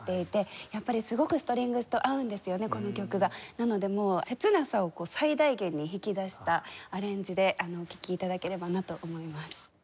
なので切なさを最大限に引き出したアレンジでお聴き頂ければなと思います。